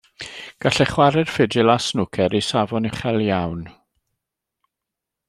Gallai chwarae'r ffidil a snwcer i safon uchel iawn.